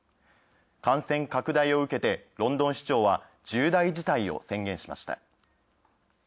感染拡大を受けて、ロンドン市長は「重大事態」を宣言しました。